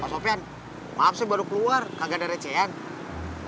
mas oven maaf sih baru keluar gak ada recehnya